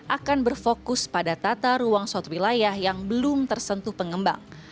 akan berfokus pada tata ruang suatu wilayah yang belum tersentuh pengembang